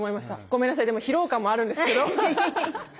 ごめんなさい疲労感もあるんですけど。